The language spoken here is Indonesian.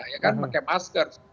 ya kan pakai masker